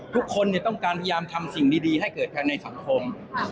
ทุกคนต้องการพยายามทำสิ่งดีให้เกิดภายในสังคม